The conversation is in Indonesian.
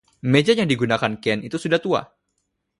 Meja yang digunakan Ken itu sudah tua.